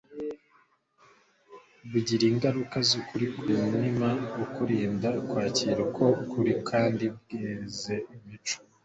bugira ingaruka z'ukuri ku inutima ukuruda kwakira uko kuri kandi bweza imico.